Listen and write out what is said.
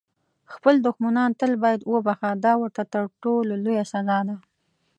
خپل دښمنان تل باید وبخښه، دا ورته تر ټولو لویه سزا ده.